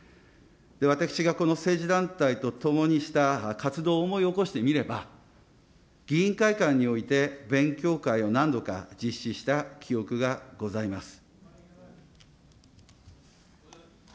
私がこの政治団体と共にした活動を思い起こしてみれば、議員会館において勉強会を何度か実施した記憶がございます。